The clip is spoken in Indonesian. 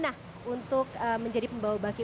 nah untuk menjadi pembawa baki